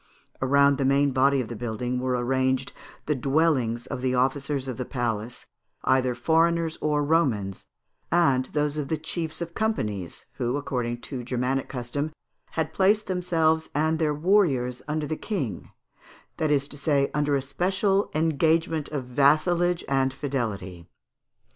Around the main body of the building were arranged the dwellings of the officers of the palace, either foreigners or Romans, and those of the chiefs of companies, who, according to Germanic custom, had placed themselves and their warriors under the King, that is to say, under a special engagement of vassalage and fidelity.